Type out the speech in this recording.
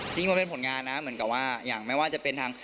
จริงมันเป็นผลงานนะเหมือนกับว่าอย่างไม่ว่าจะเป็นทาง